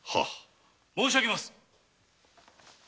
・申し上げます。